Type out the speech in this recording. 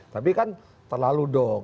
tapi kan terlalu dong